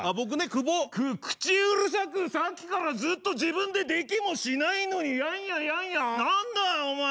く口うるさくさっきからずっと自分でできもしないのにやんやんやんやん何だよお前。